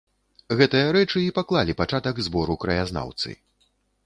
Гэтыя рэчы і паклалі пачатак збору краязнаўцы.